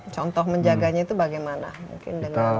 contoh menjaganya itu bagaimana